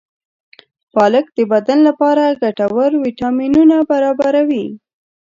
پالک د بدن لپاره ګټور ویټامینونه برابروي.